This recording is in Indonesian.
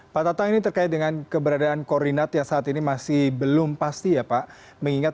pak tatang ini terkait dengan keberadaan koordinat yang saat ini masih belum pasti ya pak